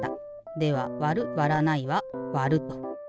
ではわるわらないはわると。